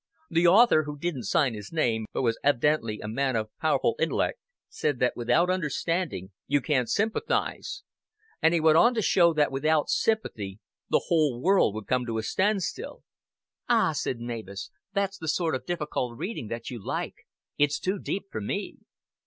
The author, who didn't sign his name, but was ev'dently a man of powerful int'lect, said that without understanding you can't sympathize; and he went on to show that without sympathy the whole world would come to a standstill." "Ah," said Mavis, "that's the sort of difficult reading that you like. It's too deep for me."